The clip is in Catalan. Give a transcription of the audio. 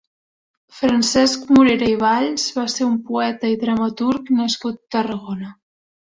Francesc Morera i Valls va ser un poeta i dramaturg nascut a Tarragona.